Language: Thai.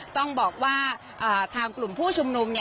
ต้องบอกว่าทางกลุ่มผู้ชุมนุม